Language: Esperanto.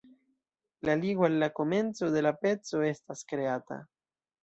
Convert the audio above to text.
La ligo al la komenco de la peco estas kreata.